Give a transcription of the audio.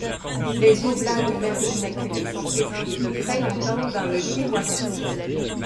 Les Oblats de Marie-Immaculée sont présents depuis très longtemps dans le Keewatin.